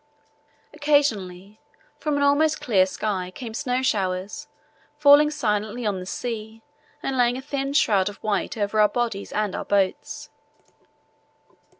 Occasionally from an almost clear sky came snow showers, falling silently on the sea and laying a thin shroud of white over our bodies and our boats.